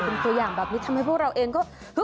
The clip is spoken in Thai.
เป็นตัวอย่างแบบนี้ทำให้พวกเราเองก็